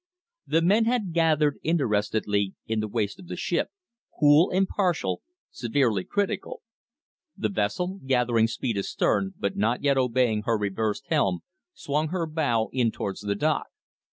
The men had gathered interestedly in the waist of the ship, cool, impartial, severely critical. The vessel, gathering speed astern, but not yet obeying her reversed helm, swung her bow in towards the dock.